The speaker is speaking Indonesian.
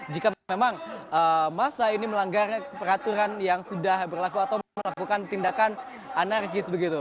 jika memang masa ini melanggar peraturan yang sudah berlaku atau melakukan tindakan anarkis begitu